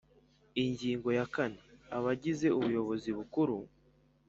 Ingingo ya kane Abagize Ubuyobozi Bukuru